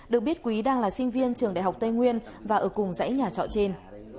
được biết quý đang là sinh viên trường đại học tây nguyên và ở cùng dãy nhà trọ trên